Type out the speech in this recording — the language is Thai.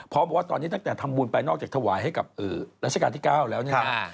บอกว่าตอนนี้ตั้งแต่ทำบุญไปนอกจากถวายให้กับรัชกาลที่๙แล้วเนี่ยนะ